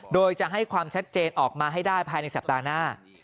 โดยจะให้ความชัดเจนออกมาให้ได้ภายในสัปดาห์หน้า